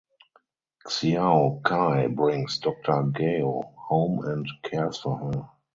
Xiao Kai brings Doctor Gao home and cares for her.